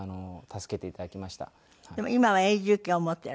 でも今は永住権を持っていらっしゃる。